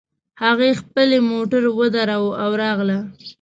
هغې خپلې موټر ودراوو او راغله